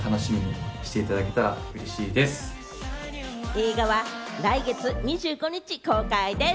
映画は来月２５日公開です。